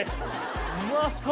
うまそう！